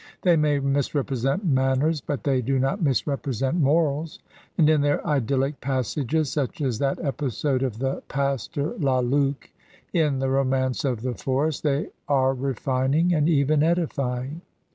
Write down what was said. They may misrepre sent manners, but they do not misrepresent morals ; and in their idyllic passages, such as that episode of the pastor La Luc in "The Romance of the For est," they are refining, and even edifying.